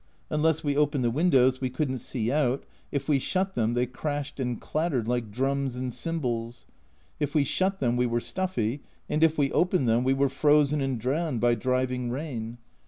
Unless we opened the windows we couldn't see out, if we shut them they crashed and clattered like drums and cymbals. If we shut them we were stuffy, and if we opened them we were frozen and drowned by driving rain.